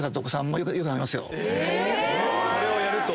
これをやると？